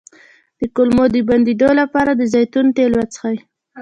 د کولمو د بندیدو لپاره د زیتون تېل وڅښئ